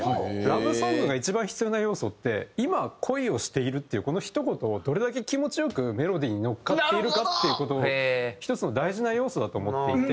ラブソングが一番必要な要素って「今恋をしている」っていうこのひと言をどれだけ気持ち良くメロディーに乗っかっているかっていう事１つの大事な要素だと思っていて。